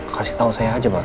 kasih tahu saya aja pak